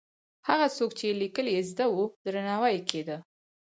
هغه څوک چې لیکل یې زده وو، درناوی یې کېده.